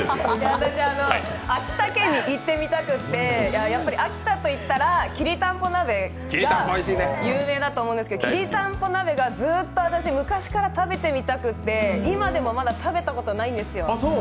私、秋田県に行ってみたくて、秋田といったらきりたんぽ鍋が有名だと思うんですけどきりたんぽ鍋がずっと私、昔から食べてみたくて今でもまだ食べたことないんですよ。